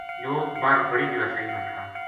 لوک بر بَڑی دیواسئی ما تھا